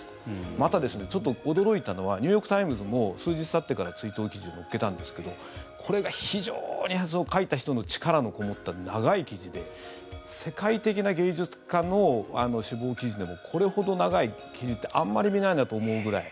また、ちょっと驚いたのはニューヨーク・タイムズも数日たってから追悼記事を載っけたんですけどこれが非常に、書いた人の力のこもった長い記事で世界的な芸術家の死亡記事でもこれほど長い記事ってあんまり見ないなと思うぐらい。